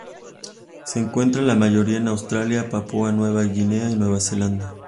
Se encuentra la mayoría en Australia, Papúa Nueva Guinea y Nueva Zelanda.